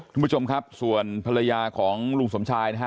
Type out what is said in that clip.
คุณผู้ชมครับส่วนภรรยาของลุงสมชายนะฮะ